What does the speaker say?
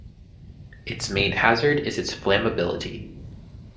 Its main hazard is its flammability.